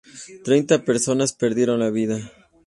Treinta personas perdieron la vida.